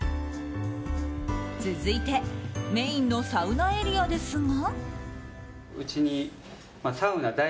続いてメインのサウナエリアですが。